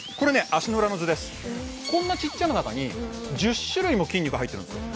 足の裏の図ですこんな小っちゃな中に１０種類も筋肉入ってるんですよ